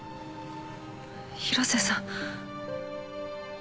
広瀬さん。